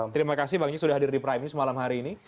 terima kasih banyak sudah hadir di prime news malam hari ini